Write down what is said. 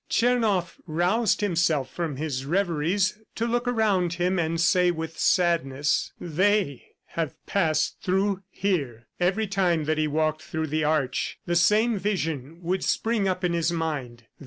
Tchernoff roused himself from his reveries to look around him and say with sadness: "THEY have passed through here!" Every time that he walked through the Arch, the same vision would spring up in his mind.